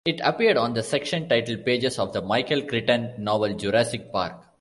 It appeared on the section title pages of the Michael Crichton novel "Jurassic Park".